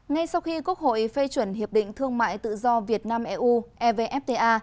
ngay sau khi quốc hội phê chuẩn hiệp định thương mại tự do việt nam eu evfta